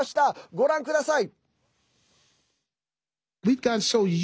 ご覧ください。